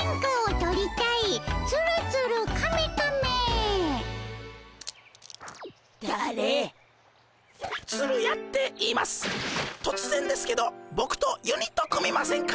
とつぜんですけどボクとユニット組みませんか？